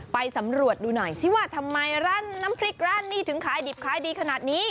ไปสำรวจดูหน่อยซิว่าทำไมร้านน้ำพริกร้านนี้ถึงขายดิบขายดีขนาดนี้